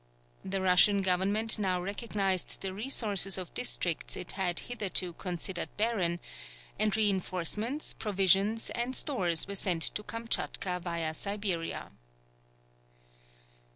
The Russian government now recognized the resources of districts it had hitherto considered barren, and reinforcements, provisions, and stores were sent to Kamtchatka via Siberia.